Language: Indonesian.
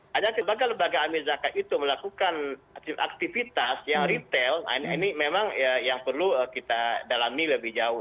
hanya lembaga lembaga amir zakat itu melakukan aktivitas yang retail ini memang yang perlu kita dalami lebih jauh